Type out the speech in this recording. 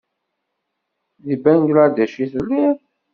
Di Bangladec i telliḍ?